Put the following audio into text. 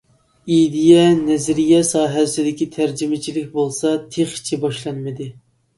ئىدىيە، نەزەرىيە ساھەسىدىكى تەرجىمىچىلىك بولسا تېخىچە باشلانمىدى.